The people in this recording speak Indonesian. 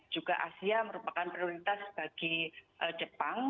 juga asia merupakan prioritas bagi jepang